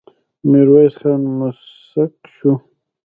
ميرويس خان موسک شو.